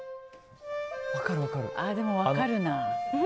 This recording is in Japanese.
でも分かるな。